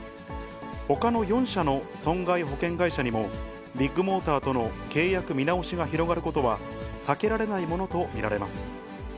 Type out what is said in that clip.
ほかの４社の損害保険会社にも、ビッグモーターとの契約見直しが広がることは避けられないものと見られます。